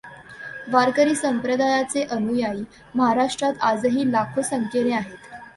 वारकरी संप्रदायाचे अनुयायी महाराष्ट्रात आजही लाखो संख्येने आहेत.